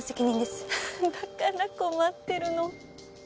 だから困ってるの。